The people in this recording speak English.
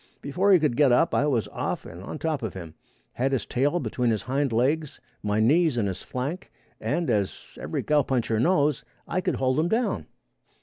Before he could get up I was off and on top of him, had his tail between his hind legs, my knees in his flank, and, as every cowpuncher knows, I could hold him down.